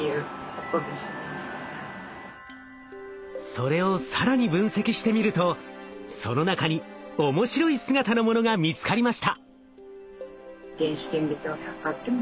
それを更に分析してみるとその中に面白い姿のものが見つかりました。